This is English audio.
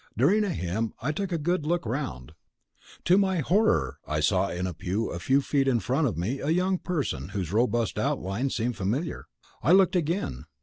During a hymn I took a good look round. To my horror I saw in a pew a few feet in front of me a young person whose robust outline seemed familiar. I looked again.